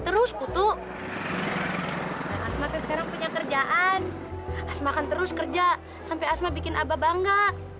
terus kutu asmatnya sekarang punya kerjaan asmakan terus kerja sampai asma bikin abah bangga